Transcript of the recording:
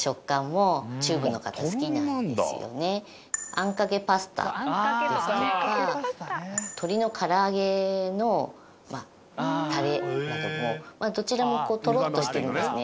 あんかけパスタですとか鶏の唐揚げのタレなどもどちらもこうとろっとしてるんですね。